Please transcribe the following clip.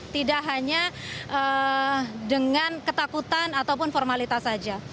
tidak hanya dengan ketakutan ataupun formalitas saja